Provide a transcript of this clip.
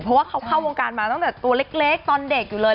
เพราะว่าเขาเข้าวงการมาตั้งแต่ตัวเล็กตอนเด็กอยู่เลย